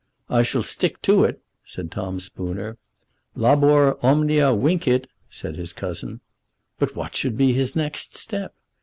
"I shall stick to it," said Tom Spooner. "Labor omnia vincit," said his cousin. But what should be his next step?